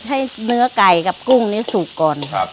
ให้เนื้อไก่กับกุ้งนี้สุกก่อน